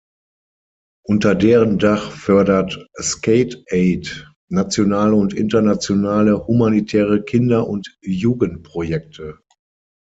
Unter deren Dach fördert "skate-aid" nationale und internationale humanitäre Kinder- und Jugendprojekte.